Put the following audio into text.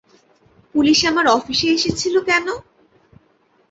Police আমার অফিসে এসেছিল কেন?